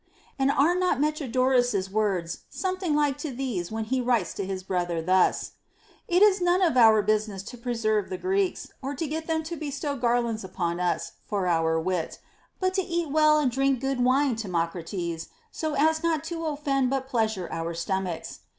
.'.nd are not Metrodorus's words something like to these when he writes to his brother thus: It is none of our busi ness to preserve the Greeks, or to get them to bestow gar lauds upon us for our wit, but to eat well and drink good wine, Timocrates, so as not to offend but pleasure our stomachs.